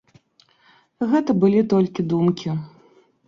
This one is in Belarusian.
Гэта былі толькі думкі.